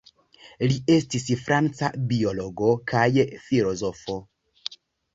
Li estis franca biologo kaj filozofo.